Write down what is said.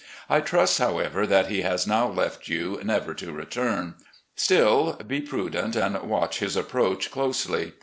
I trust, however, that he has now left you never to return. Still be prudent and watch his approach closely.